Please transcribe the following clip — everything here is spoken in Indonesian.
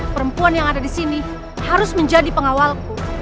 perempuan yang ada disini harus menjadi pengawalku